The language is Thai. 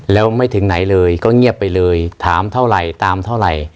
แล้วไม่ถึงไหนเลยก็เงียบไปเลยถามเท่าไหร่ตามเท่าไหร่